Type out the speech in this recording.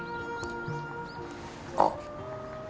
あっ。